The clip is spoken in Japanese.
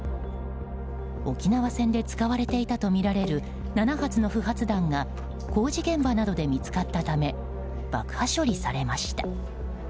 沖縄戦で使われていたとみられる７発の不発弾が工場現場などで見つかったため爆破処理されました。